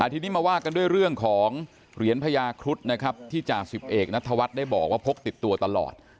ทีนี้มาว่ากันด้วยเรื่องของเหรียญพญาครุฑนะครับที่จ่าสิบเอกนัทวัฒน์ได้บอกว่าพกติดตัวตลอด